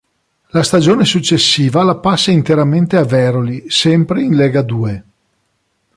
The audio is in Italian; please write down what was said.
La stagione successiva la passa interamente a Veroli, sempre in Legadue.